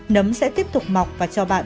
nấm sẽ tiếp tục mọc và cho bạn